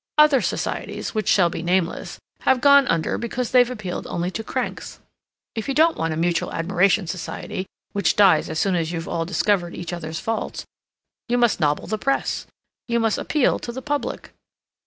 Other societies, which shall be nameless, have gone under because they've appealed only to cranks. If you don't want a mutual admiration society, which dies as soon as you've all discovered each other's faults, you must nobble the Press. You must appeal to the public."